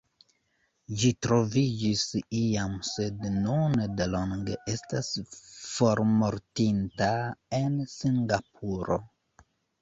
Ĝi troviĝis iam sed nun delonge estas formortinta en Singapuro.